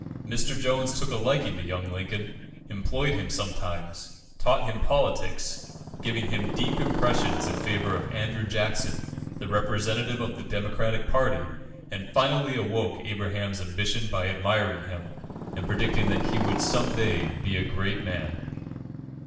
Mr. Jones took a liking to young Lincoln, employed him sometimes, taught him politics, giving him deep impressions in favour of Andrew Jackson, the representative of the Democratic party, and finally awoke Abraham's ambition by admiring him, and predicting that he would some day be a great man.